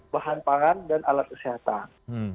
bahan pangan dan alat kesehatan